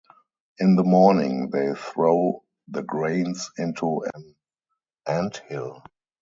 In the morning, they throw the grains into an anthill.